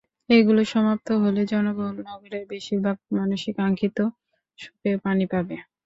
এগুলো সমাপ্ত হলে জনবহুল নগরের বেশির ভাগ মানুষই কাঙ্ক্ষিত সুপেয় পানি পাবে।